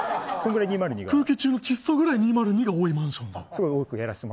空気中の窒素くらい２０２が多いマンションだ。